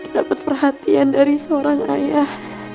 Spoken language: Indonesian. dapat perhatian dari seorang ayah